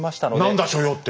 何だ所用って。